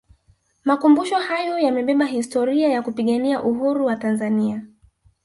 makumbusho hayo yamebeba historia ya kupigania Uhuru wa tanzania